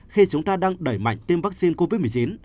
khi chúng ta đang đẩy mạnh tiêm vaccine covid một mươi chín